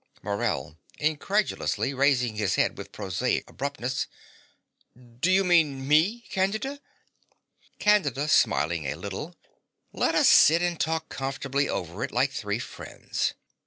MORELL (incredulously, raising his bead with prosaic abruptness). Do you mean, me, Candida? CANDIDA (smiling a little). Let us sit and talk comfortably over it like three friends.